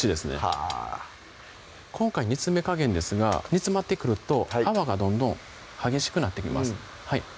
はぁ今回煮詰め加減ですが煮詰まってくると泡がどんどん激しくなってきます